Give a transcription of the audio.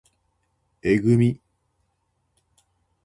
えぐみ